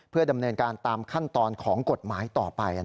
เพื่อดำเนินการตามขั้นตอนของกฎหมายต่อไป